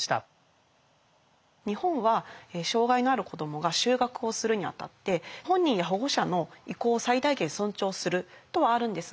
日本は障害のある子どもが就学をするにあたって「本人や保護者の意向を最大限尊重する」とはあるんですが